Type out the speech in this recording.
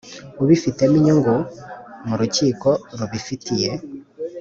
ubifitemo inyungu mu rukiko rubifitiye